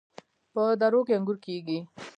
په درو کې انګور کیږي.